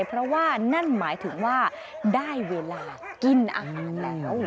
เพราะว่านั่นหมายถึงว่าได้เวลากินอาหารแล้ว